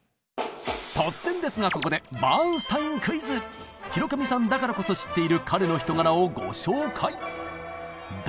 突然ですがここで広上さんだからこそ知っている彼の人柄をご紹介！